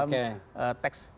mungkin enggak secara eksplisit